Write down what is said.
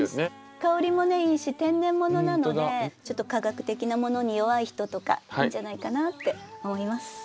香りもいいし天然ものなのでちょっと化学的なものに弱い人とかいいんじゃないかなって思います。